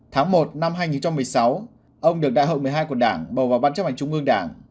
tháng một năm hai nghìn một mươi sáu ông được đại hội một mươi hai của đảng bầu vào ban chấp hành trung ương đảng